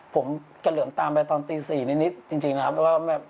ผมกระเหลิมตามไปตอนตี๔นิดจริงนะครับ